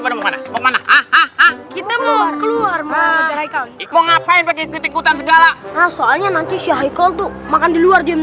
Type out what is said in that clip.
mau keluar mau ngapain begitu ikutan segala soalnya nanti saya ikut makan di luar jam